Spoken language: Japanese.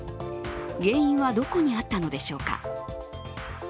原因はどこにあったのでしょうか。